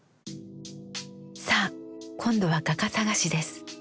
さあ今度は画家探しです。